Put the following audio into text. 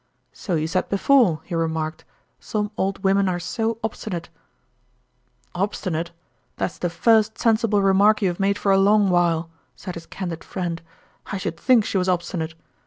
" So you said before," he remarked ;" some old women are so obstinate !"" Obstinate \ That's the first sensible remark you've made for a long while !" said his candid friend. " I should think she was obstinate